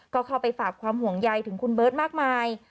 ก็เข้าไปฝากความห่วงใยถึงคุณเบิร์ตมากมาย